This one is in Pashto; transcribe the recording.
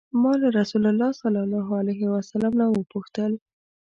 ما له رسول الله صلی الله علیه وسلم نه وپوښتل.